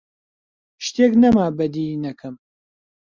شتێک نەما بەدیی نەکەم: